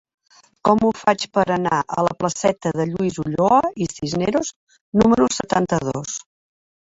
Com ho faig per anar a la placeta de Lluís Ulloa i Cisneros número setanta-dos?